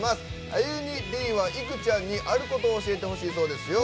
アユニ・Ｄは、いくちゃんにあることを教えてほしいそうですよ。